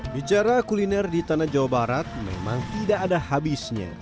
bicara kuliner di tanah jawa barat memang tidak ada habisnya